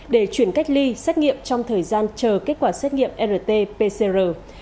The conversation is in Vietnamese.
để chuyển cách ly xét nghiệm trong thời gian chờ kết quả xét nghiệm rt pcr